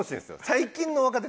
最近の若手